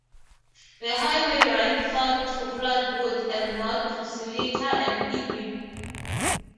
The highway runs south to Floodwood, and north to Silica and Hibbing.